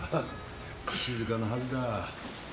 静かなはずだ。